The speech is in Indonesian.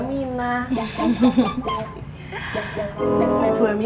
mas aji mau pergi